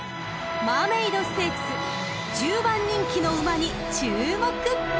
［マーメイドステークス１０番人気の馬に注目！］